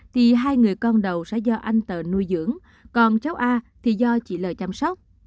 thì hai người con đầu sẽ do anh tờ nuôi dưỡng còn cháu a thì do chị lời chăm sóc